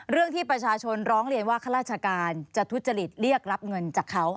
เรื่องที่ประชาชนร้องเรียนว่าข้าราชการจะทุจริตเรียกรับเงินจากเขา